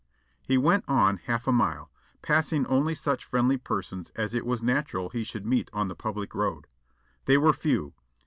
He went on half a mile, passing only such friendly persons as it was natural he should meet on the public road. They were few.